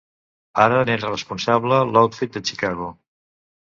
Ara n'era responsable l'Outfit de Chicago.